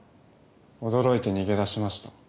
驚いて逃げ出しました。